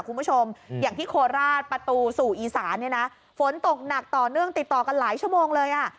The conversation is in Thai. คุณผู้ชมอย่างที่โคราชประตูสู่อีสานเนี่ยนะฝนตกหนักต่อเนื่องติดต่อกันหลายชั่วโมงเลยอ่ะ